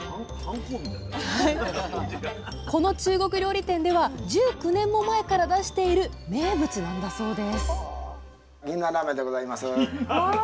この中国料理店では１９年も前から出している名物なんだそうですわぁ！